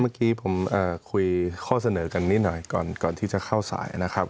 เมื่อกี้ผมคุยข้อเสนอกันนิดหน่อยก่อนที่จะเข้าสายนะครับ